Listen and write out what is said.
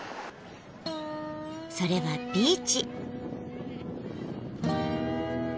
それはビーチ。